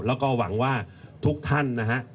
แล้วก็หวังว่าทุกท่านนะฮะ